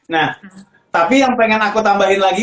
nah tapi yang pengen aku tambahin lagi